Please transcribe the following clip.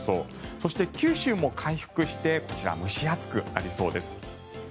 そして、九州も回復して蒸し暑くなりそうです。